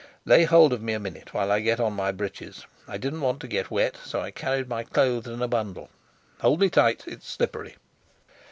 Lay hold of me a minute while I get on my breeches: I didn't want to get wet, so I carried my clothes in a bundle. Hold me tight, it's slippery."